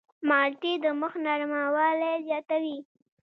مالټې د مخ نرموالی زیاتوي.